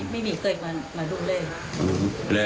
ไม่มีเคยมาดูเลย